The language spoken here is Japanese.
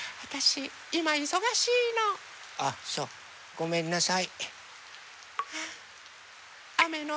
あっそうごめんなさい。